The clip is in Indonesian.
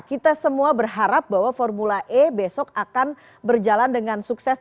kita semua berharap bahwa formula e besok akan berjalan dengan sukses